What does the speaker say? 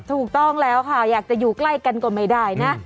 ถูกต้องแล้วค่ะอยากจะอยู่ใกล้กันก็ไม่ได้นะ